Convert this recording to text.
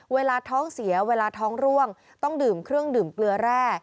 เวลาท้องเสียเวลาท้องร่วงต้องดื่มเครื่องดื่มเกลือแร่